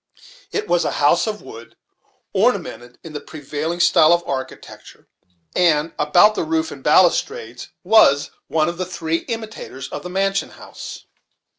It was a house of wood, ornamented in the prevailing style of architecture, and about the roof and balustrades was one of the three imitators of the mansion house.